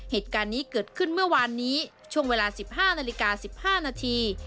เหตุการณ์นี้เกิดขึ้นเมื่อวานนี้ช่วงเวลา๑๕นาฬิกา๑๕นาที